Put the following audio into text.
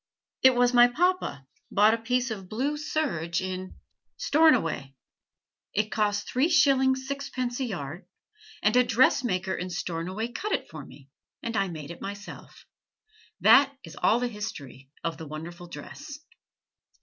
It was my papa bought a piece of blue serge in Stornoway: it cost three shillings sixpence a yard, and a dressmaker in Stornoway cut it for me, and I made it myself. That is all the history of the wonderful dress."